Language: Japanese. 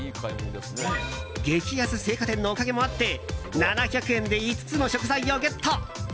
激安青果店のおかげもあって７００円で５つの食材をゲット。